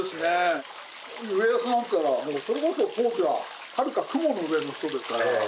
家康なんかもうそれこそ当時ははるか雲の上の人ですから。